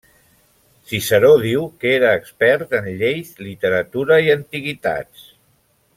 Ciceró diu que era expert en lleis, literatura i antiguitats.